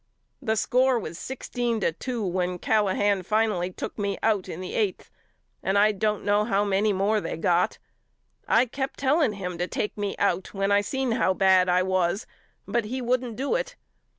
The score was sixteen to two when Callahan finally took me out in the eighth and I don't know how many more they got. I kept telling him to take me out when I seen how bad I was but he wouldn't do it.